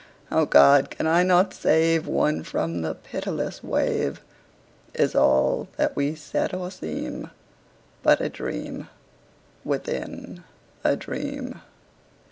O God! can I not save One from the pitiless wave? Is all that we see or seem But a dream within a dream?